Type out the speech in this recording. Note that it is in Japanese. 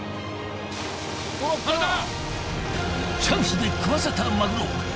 チャンスで喰わせたマグロ。